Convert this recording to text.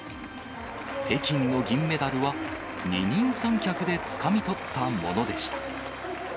北京の銀メダルは、二人三脚でつかみ取ったものでした。